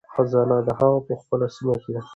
خزانه د هغه په خپله سیمه کې وه.